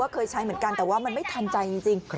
เคยใช้เหมือนกันแต่ว่ามันไม่ทันใจจริง